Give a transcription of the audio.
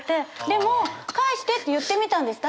でも「返して」って言ってみたんです。